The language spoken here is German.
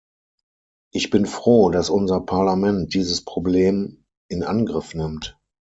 Ich bin froh, dass unser Parlament dieses Problem in Angriff nimmt.